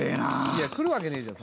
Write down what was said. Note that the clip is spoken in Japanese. いや来るわけねえじゃん